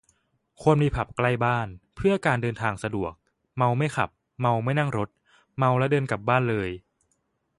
ควรมีผับใกล้บ้าน เพื่อการเดินทางสะดวก เมาไม่ขับ เมาไม่นั่งรถ เมาแล้วเดินกลับบ้านเลย